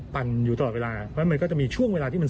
อยู่ตลอดเวลาเพราะฉะนั้นมันก็จะมีช่วงเวลาที่มัน